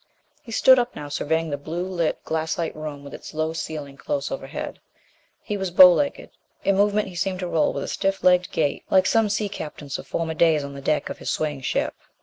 He stood up now, surveying the blue lit glassite room with its low ceiling close overhead. He was bow legged; in movement he seemed to roll with a stiff legged gait like some sea captains of former days on the deck of his swaying ship.